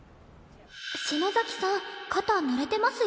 篠崎さん肩ぬれてますよ。